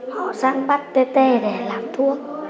họ sẵn bắt tê tê để làm thuốc